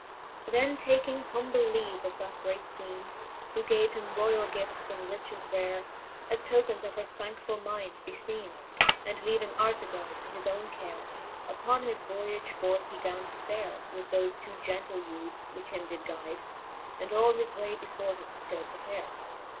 XVII. Then taking humble leave of that great Queene, Who gave him roiall gifts and riches rare. As tokens of her thankefull mind befeene, And leaving Artegall to his owne care ; Uppon his voyage forth he gan to fare, With thofe two gentle youthes, which him did guide, And all his way before him ftill prepare.